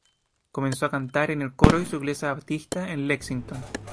Comenzó a cantar en el coro de su iglesia baptista en Lexington.